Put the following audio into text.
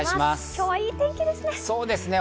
今日はいい天気ですね。